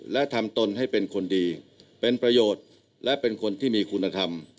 และทำตนให้เป็นคนดีเป็นประโยชน์และเป็นคนที่มีคุณธรรม